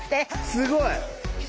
すごい。